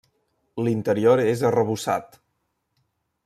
L'interior és arrebossat.